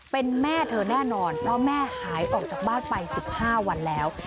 เป็นแม่เธอแน่นอนเพราะแม่หายออกจากบ้านไป๑๕วันแล้ว